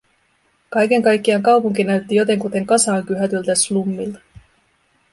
Kaiken kaikkiaan kaupunki näytti jotenkuten kasaan kyhätyltä slummilta.